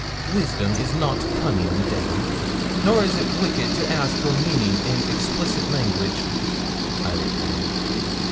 'Wisdom is not cunning, Madame; nor is it wicked to ask your meaning in explicit language,' I replied.